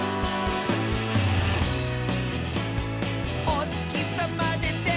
「おつきさまでて」